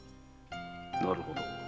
なるほど。